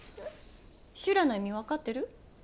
修羅の意味分かってる？